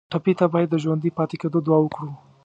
ټپي ته باید د ژوندي پاتې کېدو دعا وکړو.